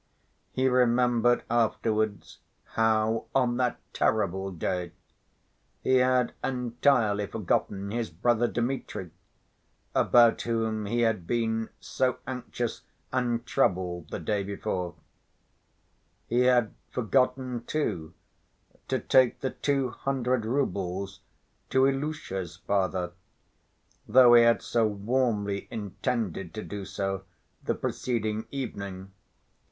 He remembered afterwards how, on that terrible day, he had entirely forgotten his brother Dmitri, about whom he had been so anxious and troubled the day before; he had forgotten, too, to take the two hundred roubles to Ilusha's father, though he had so warmly intended to do so the preceding evening.